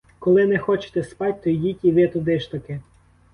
Коли не хочете спать, то йдіть і ви туди ж таки.